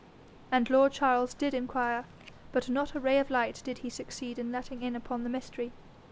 And lord Charles did inquire; but not a ray of light did he succeed in letting in upon the mystery.